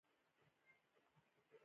دوی هماغه ځای ته رسېږي چې طالبان یې غواړي